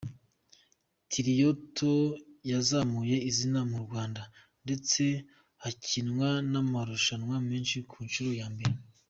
Tiliyato yazamuye izina mu Rwanda, ndetse hakinwa n’amarushanwa menshi ku nshuro ya mbere.